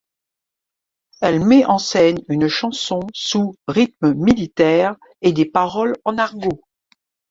Elle met en scène une chanson sous rythme militaire et des paroles en argot.